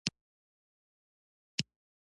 هېواد زموږ غرور دی